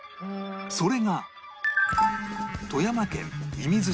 それが